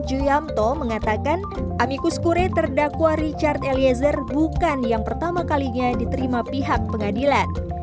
ju yamto mengatakan amikus kure terdakwa richard eliezer bukan yang pertama kalinya diterima pihak pengadilan